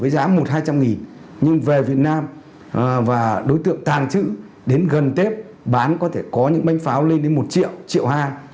các đối tượng tàng trữ đến gần tết bán có thể có những bánh pháo lên đến một triệu triệu hai